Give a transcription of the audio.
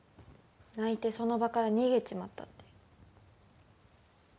泣いてその場から逃げちまったって。